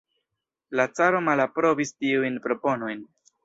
La caro malaprobis tiujn proponojn.